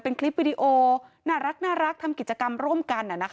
เป็นคลิปวิดีโอน่ารักทำกิจกรรมร่วมกัน